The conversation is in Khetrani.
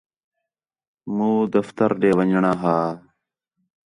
موں دفتر ݙے ونڄݨاں ہا